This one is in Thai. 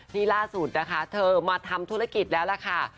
นี่ล่าสุดนะคะเธอมาทำธุรกิจแล้วล่ะค่ะ